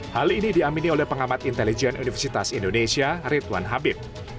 hal ini diamini oleh pengamat intelijen universitas indonesia ridwan habib